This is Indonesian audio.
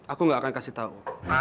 aku gak akan kasih tahu